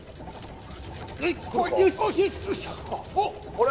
あれ？